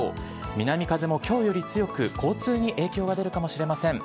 南風も今日より強く交通に影響が出るかもしれません。